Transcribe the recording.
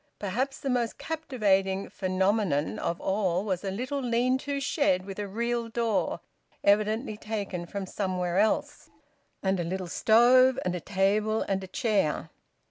Perhaps the most captivating phenomenon of all was a little lean to shed with a real door evidently taken from somewhere else, and a little stove, and a table and a chair.